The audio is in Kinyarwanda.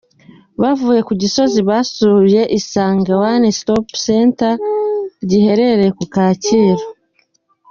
Bavuye ku Gisozi basuyeikigo Isange One Stop Center giherereye ku Kacyiru.